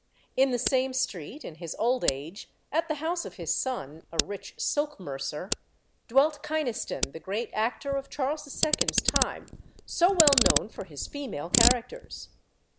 In the same street, in his old age, at the house of his son, a rich silk mercer, dwelt Kynaston, the great actor of Charles II.'s time, so well known for his female characters.